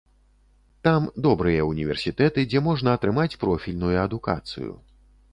Там добрыя ўніверсітэты, дзе можна атрымаць профільную адукацыю.